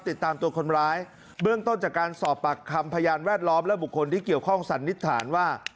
ติดตามตัวคนร้ายเบื้องต้นจากการสอบปากคำพยานแวดล้อมและบุคคลที่เกี่ยวข้องสันนิษฐานว่า